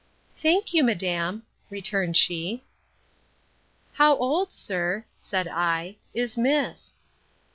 Thank you, madam, returned she. How old, sir, said I, is miss?